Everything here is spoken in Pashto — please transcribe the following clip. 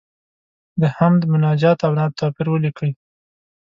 د حمد، مناجات او نعت توپیر ولیکئ.